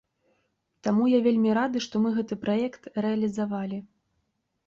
Таму я вельмі рады, што мы гэты праект рэалізавалі.